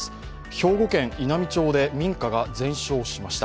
兵庫県稲美町で民家が全焼しました。